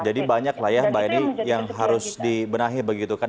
jadi banyak lah ya mbak eni yang harus dibenahi begitu kan